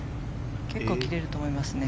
結構切れると思いますね。